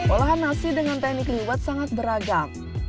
olahan nasi dengan teknik liwet sangat beragam